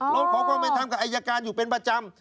ร้องขอความเป็นธรรมกับอายการอยู่เป็นประจำ